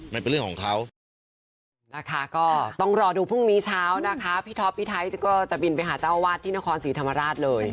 มันเป็นเรื่องของเขา